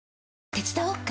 手伝おっか？